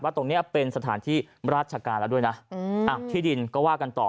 ตรงนี้เป็นสถานที่ราชการแล้วด้วยนะที่ดินก็ว่ากันต่อ